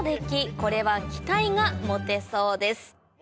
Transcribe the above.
これは期待が持てそうです